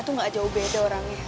itu gak jauh beda orangnya